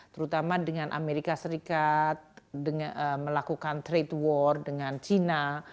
terutama dengan amerika serikat melakukan trade war dengan china